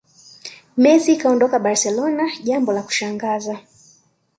Messi kuondoka barcelona jambo la kushangaza